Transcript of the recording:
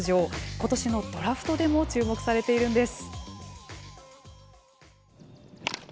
今年のドラフトでも注目されているんです。